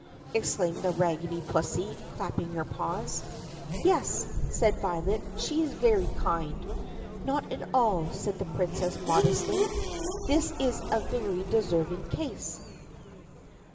exclaimed the raggedy pussy clapping her paws. "Yes," said Violet, "she is very kind." "Not at all," said the Princess modestly; "this is a very deserving case."